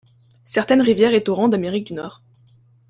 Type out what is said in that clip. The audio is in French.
Certaines rivières et torrents d'Amérique du Nord.